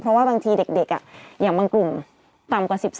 เพราะว่าบางทีเด็กอย่างบางกลุ่มต่ำกว่า๑๒